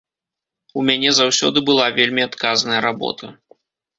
У мяне заўсёды была вельмі адказная работа.